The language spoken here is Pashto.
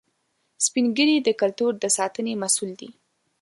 سپین ږیری د کلتور د ساتنې مسؤل دي